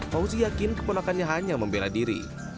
fauzi yakin keponakannya hanya membela diri